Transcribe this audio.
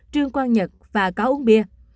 trương quang nhật và có uống bia